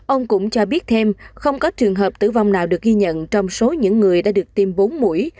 ông cũng cho biết thêm không có trường hợp tử vong nào được ghi nhận trong số những người đã được tiêm bốn mũi